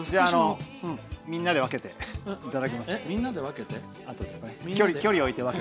みんなで分けていただきます。